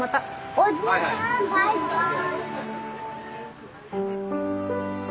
おじさんバイバイ。